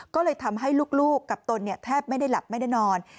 ก็เลยทำให้ลูกกับตนแทบไม่ได้หลับไม่ได้นอน